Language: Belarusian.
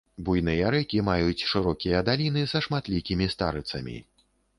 Буйныя рэкі маюць шырокія даліны са шматлікімі старыцамі.